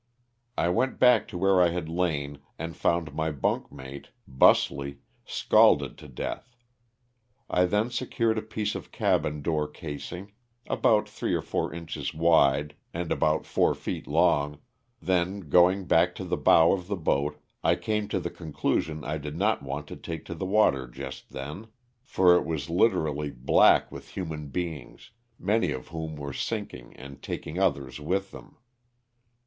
I wont back to where I had lain and found my bunk mate, Busley, scalded to death; I then secured a piece of cabin door casing, about three or four inches wide and about four feet long, then going back to the bow of the boat I came to the conclusion I did not want to take to the water just then, for it was 7 50 LOSS OF THE SULTANA. literally black with human beings, many of whom were sinking and taking others with them.